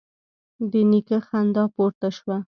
د نيکه خندا پورته شوه: